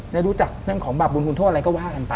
ได้รู้จักเรื่องของบาปบุญคุณโทษอะไรก็ว่ากันไป